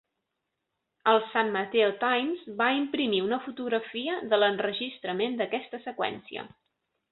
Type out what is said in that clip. El "San Mateo Times" va imprimir una fotografia de l'enregistrament d'aquesta seqüència.